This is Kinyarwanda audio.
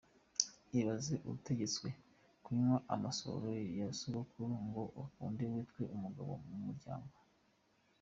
Ibaze utegetswe kunywa amasohoro ya sokuru ngo ukunde witwe umugabo mu muryango?.